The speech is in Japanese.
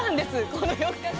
この４日間。